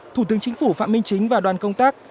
thủ tướng chính phủ phạm minh chính và đoàn công tác